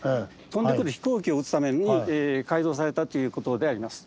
飛んでくる飛行機を撃つために改造されたっていうことであります。